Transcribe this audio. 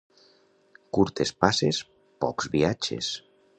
Curtes passes, pocs viatges.